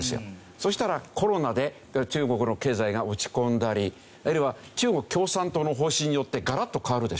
そしたらコロナで中国の経済が落ち込んだりあるいは中国共産党の方針によってガラッと変わるでしょ？